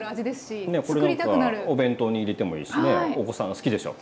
これなんかお弁当に入れてもいいしねお子さんが好きでしょう。